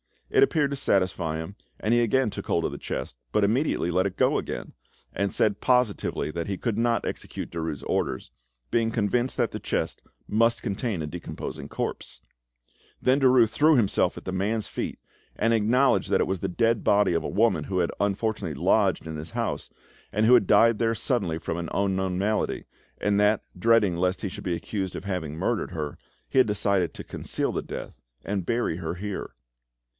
It appeared to satisfy him, and he again took hold of the chest, but immediately let it go again, and said positively that he could not execute Derues' orders, being convinced that the chest must contain a decomposing corpse. Then Derues threw himself at the man's feet and acknowledged that it was the dead body of a woman who had unfortunately lodged in his house, and who had died there suddenly from an unknown malady, and that, dreading lest he should be accused of having murdered her, he had decided to conceal the death and bury her here.